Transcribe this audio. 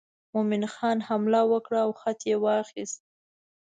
مومن خان حمله ور کړه او خط یې واخیست.